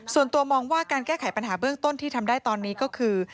ส่วนตัวมองว่าการแก้ไขปัญหาเบื้องต้นที่ทำได้ตอนนี้ก็คือ